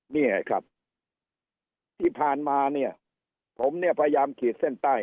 นี่ไงครับที่ผ่านมาผมพยายามขีดเส้นใต้